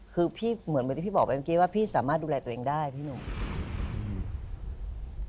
คือพี่เหมือนเหมือนที่พี่บอกไปเมื่อกี้ว่าพี่สามารถดูแลตัวเองได้พี่หนุ่มอืม